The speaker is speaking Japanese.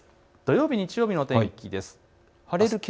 土曜日、日曜日の天気です。